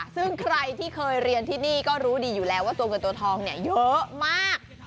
ซึ่งใครที่เคยเรียนที่นี่ก็รู้ดีอยู่แล้วว่าตัวเงินตัวทองเนี่ยเยอะมาก